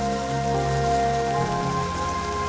excuse at all maafin aku ya